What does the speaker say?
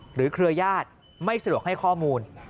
หรือเครือยาศไม่สะดวกให้ข้อมูล